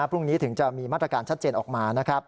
พรุ่งนี้ถึงจะมีมาตรการชัดเจนออกมานะครับ